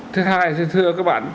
thứ hai thưa các bạn